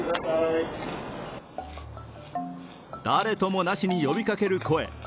誰ともなしに呼びかける声。